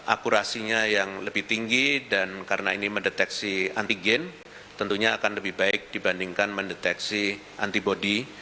akurasinya yang lebih tinggi dan karena ini mendeteksi antigen tentunya akan lebih baik dibandingkan mendeteksi antibody